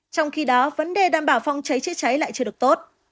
trong khi đó vấn đề đảm bảo phong cháy chế cháy lại chưa được tốt